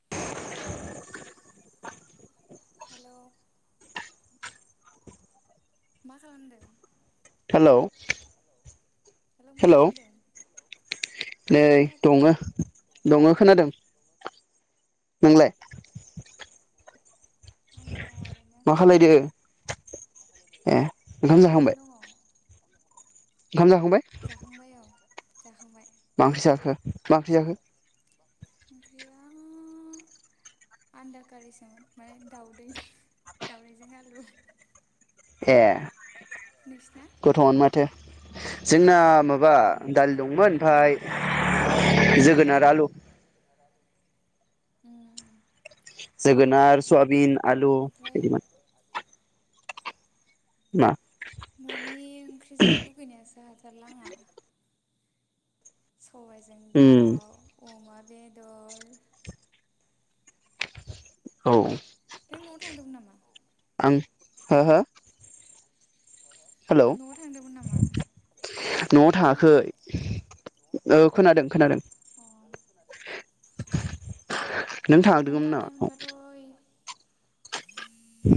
[unintelligible] Hello. मा खालामदों? Hello मा हेलौ। खालामदों नै खोनायाखै दङनो दङ खोनादों। नोंलाय आंबो दङ ओरैनो मा खालायदों ए ओंखाम जाखांबाय? ओरैनो दङ ओंखाम जाखांबाय जाखांबाय औ जाखांबाय मा ओंख्रि जाखो? मा ओंख्रि जाखो? ओंख्रिया आनदाखारिसोमोन माने दाउदै दाउदैजों आलु ए नोंसिना गोथावआनो माथो जोंना माबा दालि दंमोन ओमफाय जोगोनार आलु उम जोगोनार सयाबिन ओमफ्राय ना न'नि ओंख्रि जानो लुगैनायासो हा थारला आंहा सबायजों होम दाउ अमा बेदर औ नों न'आव थांदोंमोन नामा? आं हो हो हेलौ न'आव थांदोंमोन नामा न'आव थाङाखै खोनायाखै औ खोनादों खोनादों अ [inaudible] न'आव थांनाय नामा मोनबाथ'ओइ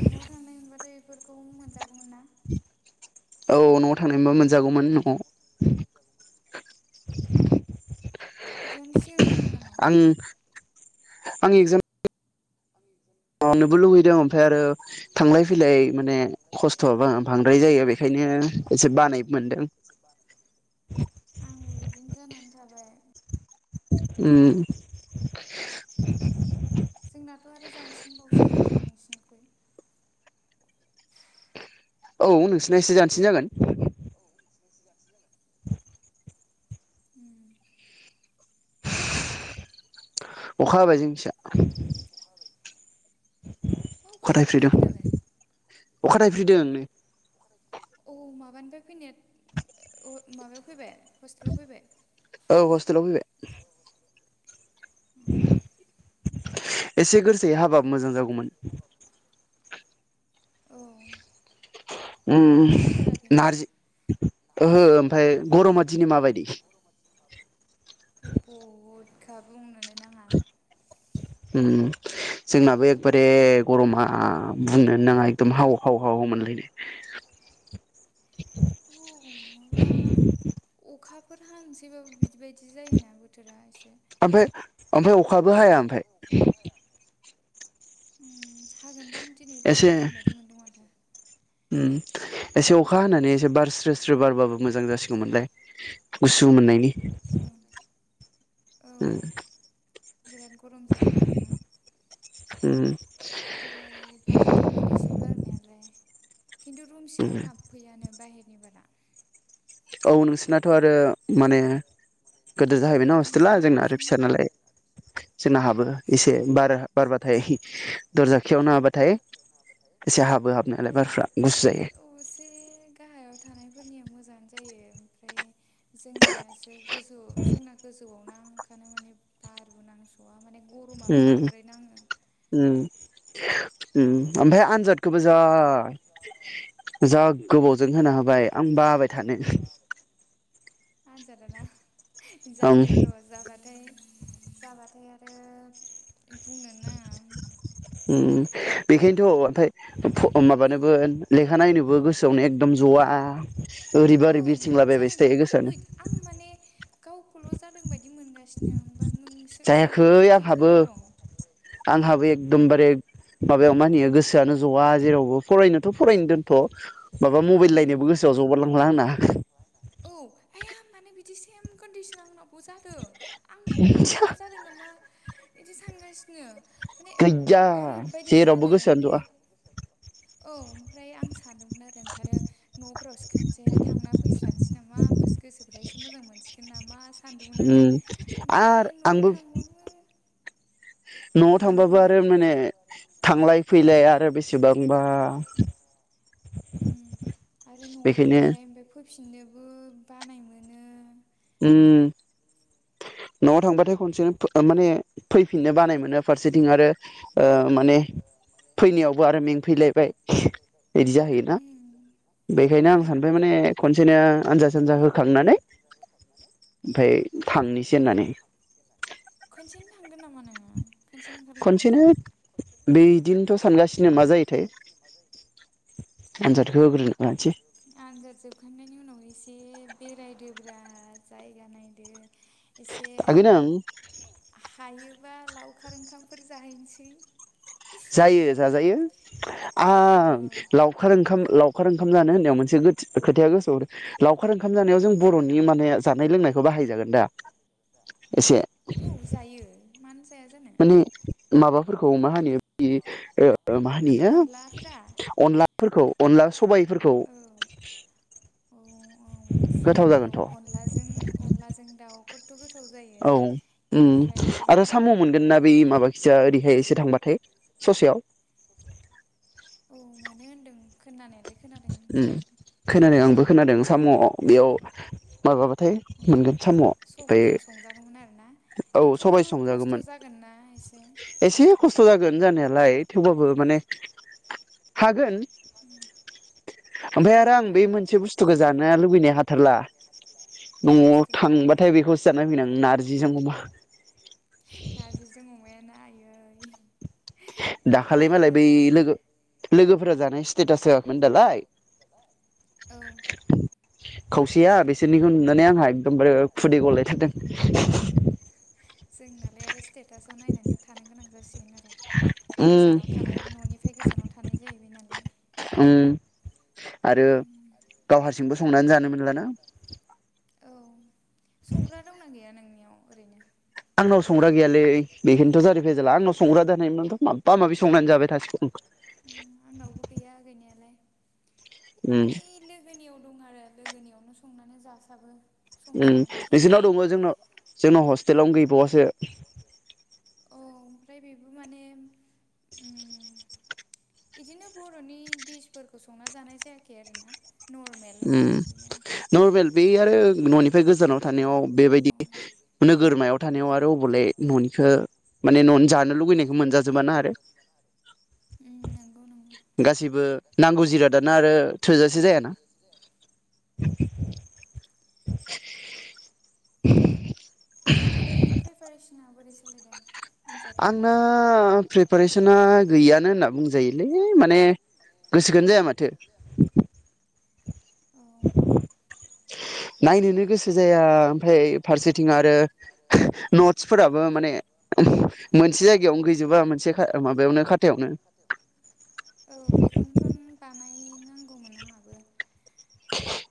न' थांनायमोनबाथाय बेफोरखौ मोनजागौमोन ना औ न'आव थांनायबा मोनजागौमोन न'आव एगजामनि सिगां थां आंनि एगजाम मावनोबो लुुबैदों ओमफ्राय आरो थांलाय फैलाय माने खस्थ'आ बांद्राय जायो बेखायनो एसे बानाय मोनदों‌। आंबो बिदिनो जानानै थाबाय उम जोंनाथ' आरो जानसिनबावसो खोमा ना नोंसिनिख्रुइ औ नोंसोरना एसे जानसिन जागोन [inaudible] [inaudible] उम अखा हाबाय जोंथिया। मा अखा हालाबायनो दालाय अखा थायफ्रिदों नै। औ माबानिफ्राय फैना माबायाव फैबाय हस्टेलाव फैबाय? औ हस्तेलाव फैबाय। [inaudible] एसे गोरसै हाबाब मोजां जागौमोन। औ दामाने ओम हाथाराखैना नारजि ओहो ओमफ्राय गरमा दिनि माबायदि? बहुद खा बुंनोनो नाङा। उम जोंनाबो एखबारे गरमा बुंनो नाङा एकदम हाव हाव हाव औ माबा मोनलायनाय अखाफोर हासैबाबो बिदिबायदि जायोना बोथोरा एसे। ओमफ्राय ओमफ्राय अखाबो हाया ओमफाय। ओम हागोनदां। दिनैफोर एसे हागोन बायदि मोनदों माथो। उम एसे अख खा हानानै एसे बार स्रो स्रो बारबाबो मोजां जासिगौमोनलाय। गुसु मोननायनि औ उ बिराद गरम जाना दं ना? ओम दहाय बारदोंमोन एसे बारनायालाय खिन्थु रुम उम सिङाव हाबफैयानो बाहेरा निबारा औ नोसि नाथ' आरो माने गोदेर जाहैबायना उम हस्टेला जोंना आरो सायावसोना फिसा नालाय जोंना हाबो एसे बार बारबाथाय दरजा खियावनो होबाथाय एसे हाबो ओ हाबनायालाय बारफ्रा गुसु जायो। औ एसे गाहायाव थानायफोरनिया मोजाङानो जायो ओमफ्राय जोंनियासो गोसोआव जोंना गोजौआव [unintelligible] गरमाल' उम बांद्राय नाङो उम उम ओमफाय आनजाद खौबोजा जा गोबावजों होनो हाबाय आं बाबाय थानो। आनजादा ना? आं जागोन र' जाबाथाय जाबाथाय आरो बुंनो नाङा उम बेखायनोथ' ओमफाय फ' माबानोबो लेखा नायनोब बो गोसोआवनो एकदम ज'वा ओरैबा औ ओरै मानो बिरथिंलाबायबायसो जादोंथाय थायो आंबो गोसोआवनो। आं माने गावखौल' जादों बायदि मोनगासिनो आं जायाखै आंहाबो आंहाबो दमबारे माबा [inaudible] फरायनोथ' फरायनो दोनथ' माबा मबाइल नायनोबो उम गोसोआव जबारलांला आंना औ आया मानोे बिदि सेम कन्दिसन आंनाव बो जादों आं माने आंखौल' जादों नामा बिदि सानगासिनो माने गैया ओरैबायदि जेरावबो जादों गोसो ओमफ्राय सान्ज'आ औ ओमफ्राय आं सानोमोन आरो ओंखायनो न'फोरावसो खोनसे थांना फैस्रानोसै नामा होमबासो गोसोफ्रा एसे मोजां मोनसिगोन नामा स उम आरो आंबो थांबाबो न'आव उम थांबाबो आरो बुंलाय माने थांलाय फैल लाया आरो बेसेबांबा उम [inaudible] बेखायनो फिन्नोबो बानाय मोनो उम न'आव थांबाथाय खनसेनो फै माने फैफिननो बानाय मोनो फारसेथिं आरो ओ माने फैनायावबो आरो मेंफैलायबाय इदि जाहैयोना उम बेखायनो औ आं सानबाय माने खनसेनो आनजाद सानजाद होखांनानै ओमफाय थांनोसै होननानै खनसेनो [inaudible] थांगोन नामा नोङो? खनसेनो ओंखारलांगोन खनसेनो बिदिनोथ' सानगासि [unintelligible] मा जायोथाय थै आनजादखौ होग्रोना लानोसै खांनायनि उनाव एसे बेरायदोब्रा जायगा नायदो एसे थागोन आं हायो मबा लावखार ओंखामफोर जाहैनोसै जायो जाजायो औ आं लावखार ओंखाम लावखार ओंखाम जानो होननायाव मोनसे गोथि खोथाया गोसोआव लाव खार ओंखाम जानायाव जों बर'नि माने जानाय लोंनायखौ बाहायजागोन दा एसे औ जायो मानो जाया जानो माने माबा फोरखौ मा होन ओ मा होनो अनलाफोरा अनलाफोरखौ अनला सबायफोरखौ औ औ गोथाव जागोनथ जायोथ' अनलाजों अनलाजों दाउखौथ' गोथाव जायो औ उम ओमफ्राय आरो साम मोनगोनना बे माबा खिजा ओरैहाय एसे थांबाथाय [inaudible] ससेयाव औ मोनो होन्दों खोनानायलाय खोनादों आंबो खोनादों साम बेयाव माबाबाथाय उम मोनगोन साम ओमफ्राय सबायजों संजागौमोन आरोना बे औ खिन्थु सबाय खस्थ' संजागौमोन जागोन ना एसे एसे खस्थ जागोन जानायालाय थेवबाबो माने हागोन [unintelligible] ओमफ्राय औ आरो आं औ बे मोनसे बुस्थुखौ जानो लुबैनाय हाथारला मा नआव बुस्थु थांबाथाय बेखौसो जानो लुगैयो नारजिजों अमा नारजिजों अमायाना आयै बेखौ दाखालि आरो मालाय बै लोगो लोगोफोरा जानायस स्टेटास दालाय औ [inaudible] खौ बिसोरनिखौ नुनानै आंहा एकदमबारे खुदै गलाय थारदों जोंनालाय आरो स्टेट स्टेटासआव नायनानै थानो गोनां जासिगोन आरो उम गोजानाव थानाय ननिफ्राय गोजानाव थानाय जाहैबाय नालाय उम आरो गाव हारसिंबो संनानै जानो मोनलाना औ संग्रा दंना गैया नोंनि ओरैनो आं नाव संग्रा गैयालै बेखायनोथ जारिफैजाला आंनाव संग्रा दोनानायमोनथ‌माबा माबि संनानै जाबाय थाासिगौ आं बै लोगोनि दं आरो लोगनियावनो संनानै जासाबो सम सम खिन्थु नोंसोरनाव दङ जोंनाव जोंनाव हस हस्तेल आवनो गैबावासो औ ओमफ्राय बेबो माने [unintelligible] बिदिनो बर'नि डिसफोरखौ संना जानाय जायाखै आरोना नर्मेल बिदिनो नर्मेल बे आरो न'निफ्राय गोजानाव बेदर थानायाव बेबायदि नोगोरमायाव थानायाव आरो बबले न'निखौ मनि जानो लुुबैनायखौ मोनजाजोबाना आरो नंगौ नंगौ गासैबो नांगौ जिरादाना आरो थोजासे जायाना [unintelligible] [unintelligible] ओमफ्राय प्रिपारेसन सिना बोरै सोलिदों आनजादनि आंना प्रिपारेसना गैयानो होनना बुंजायोलै माने गोसोखोनो जाया माथो औ [inaudible] नायनोनो गोसो जाया ओमफ्राय फारसेथिं आरो नट्सफोराबो माने मोनसे जायगायावनो गैजोबा मोनसे माबायावनो खाथायावनो औ बेखौनोथ' बानायनांगौमोन आंहाबो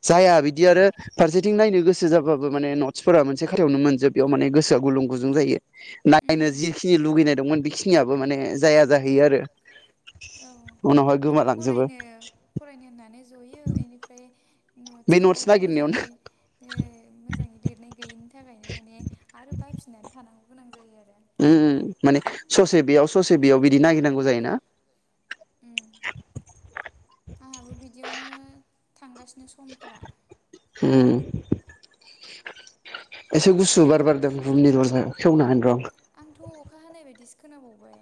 जाया बिदि आरो फारसेथिं नायनो गोसो जाबाबो माने नट्सफोरा मोनसे खाथाययावनो मोनजोबीयाव माने गोसोआ गुलुं गुजुं जायो नायनो जिखिनि लुगैनाय दंमोन बेखिनियाबो माने जाया जाहैयो आरो औ उनावहाय माने गोमालांजोबो फरायनो फरायनो बे नटस'खौ नट्स नागिरनायावनो मोजाङै मोजाङै लेरनाय गैयैनि थाखायनो माने आरो बाफिननानै थानांगौ गोनां जायो आरो उ माने ससे बेयाव ससे बेयाव बिदि नागिरनांगौ जायोना [inaudible] उम आंहाबो बिदियावनो थांगासिनो समफोरा उम एसे गुसु बार बारदों रुमनि दरजायाव खेवना हानि र' आ आंथ' अखा हानाय बायदिसो खोनाबावबाय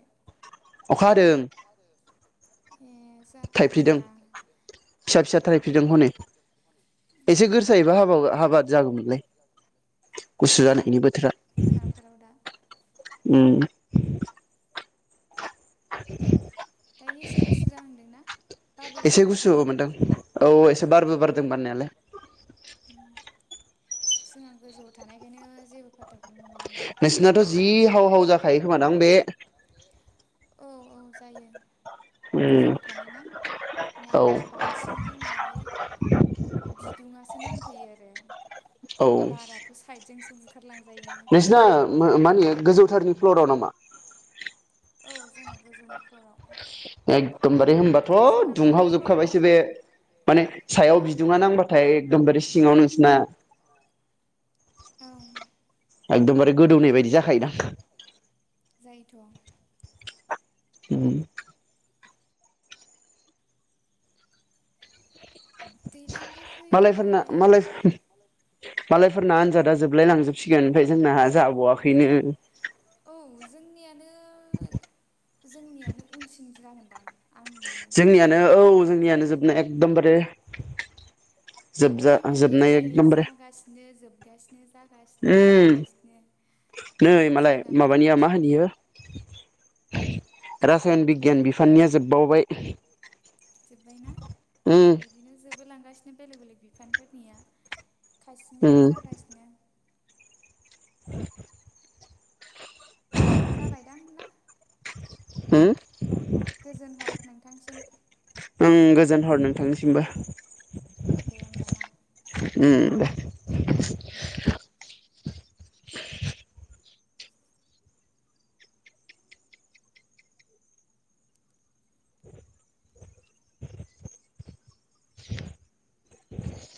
अखा हादों ए जा थाल थाइफ्रिदों मोना फिसा फिसा थाइफ्रिदों हनै एसे गोसायैबा हाबा हाबा जागौमोनलाय गुसु हागोनदां जानायनि बोथोरा मोनाफोराव दा उम [inaudible] दायो एसे गुसु जाहांदोंना बारबो एसे बारदों गुसु खोमा मोनदों औ एसे बारबो बारदों बारनायालाय जोंहा गोजौआव थानायखायनो जेबो फाथा नोंसिनाथ' जि हाव हाव जाखायो खोमादां बे औ औ जायो उम गोजौआव थानाय ना माने औ बांसिन जोंनावहाय बिदुंआसो नांफैयो आरो औ बाराथ' साइदजोंसो बु खारलां नोंसिना माने गोजौथारनि प्ल'डआव नामा औ जोंना गोजौ फ्ल'राव एकदमबारे होनबाथ' जोंना मोननै फ्ल'र ना दुंहावजोबखाबायसो बे माने सायाव हो बिदुङा नांबाथाय एकदमबारे सिङाव नोंसना औ एकदमबारे गोदौनाय बायदि जाखायोदां थ' उ दैलांबो मालायफोरना फैबाय मालाय मालायफोरना आनजादा जोबलाय लांजोबसिगोन ओमफ्राय जोंना जाबावाखैनो औ जोंनियानो जोंनियानो उनसिन जागो मोन जोंनियानो औ जोंनियानो जोबनाय एकदमबारे जोबजा बयनाबो जोबनाय दायो एकदमबारे जागासिनो जोबगासिनो [inaudible] उम जोबगासिनो नै मालाय जोंनाल' माबानिया मा थागासिनो होनो इयो रासायन बिगियान बिफाननिया जोबबावबाय। जोब्बाय ना उम औ बिदिनो जोबबाय बो लांगासिनो बेलेग बेलेग बिफानफोरनिया खायसेनाया उम जागासिनो। [inaudible] [inaudible] जाबायदां ना हो गोजोन हर नोंथांसिम ओं गोजोन हर नोंथांनिसिमबो दे होनबा ना [unintelligible] [inaudible]